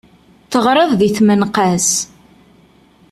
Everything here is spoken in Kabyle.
Teɣriḍ di tmenqas.